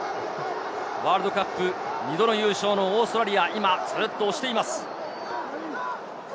ワールドカップ２度の優勝のオーストラリア、今ずっと押しています。